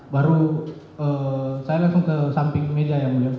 baru saya langsung ke samping meja ya mulia